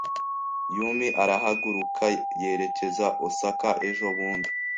Yumi arahaguruka yerekeza Osaka ejobundi.